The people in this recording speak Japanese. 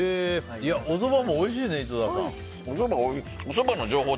おそばもおいしいね井戸田さん。